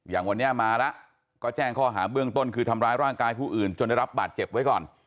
อย่างวันนี้มาแล้วก็แจ้งข้อหาเบื้องต้นคือทำร้ายร่างกายผู้อื่นจนได้รับบาดเจ็บไว้ก่อน